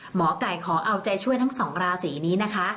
หมอกายขอเอาใจเฉยทั้ง๒ลาสีนี้นะคะ